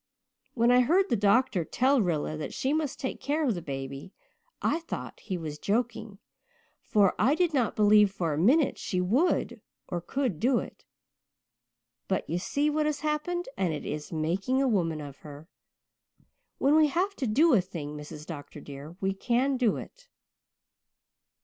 When I heard the doctor tell Rilla that she must take care of the baby I thought he was joking, for I did not believe for a minute she would or could do it. But you see what has happened and it is making a woman of her. When we have to do a thing, Mrs. Dr. dear, we can do it."